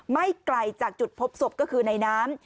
ไม่ไกลจากจุดพบศพก็คือในน้ำ